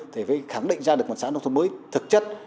thì mới khẳng định ra được một xã nông thôn mới thực chất